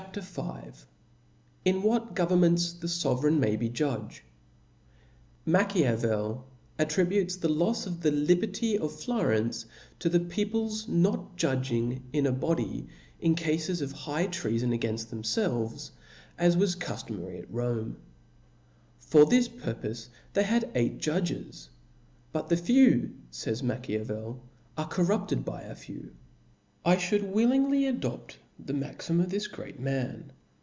V, In what Governments the Sovereign may be Judge. TV/TACHIAVEL (*) attributes the lofs of the (u) Dir ^^^ liberty of Florence, to the people's not judg courfcon ing in a body in cafes of high treafon againft them Decade of felves, as was cuftomary at Rome. For this pur ^^^]^' pofe they had eight judges : but tbejewy fays Ma chap, 7. chiavcl, are corrupted by a few. I ftiould willingly adopt the maxim of this great man.